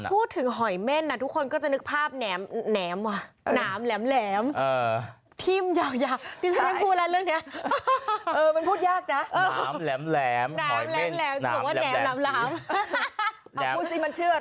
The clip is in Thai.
พูดสิมันชื่ออะไรเอาใหม่สิ